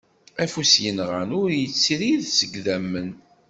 Afus yenɣan ur yettrid seg idammen.